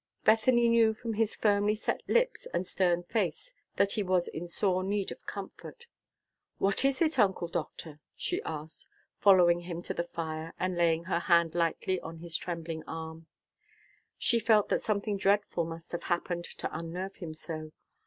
Bethany knew from his firmly set lips and stern face that he was in sore need of comfort. "What is it, Uncle Doctor?" she asked, following him to the fire, and laying her hand lightly on his trembling arm. She felt that something dreadful must have happened to unnerve him so.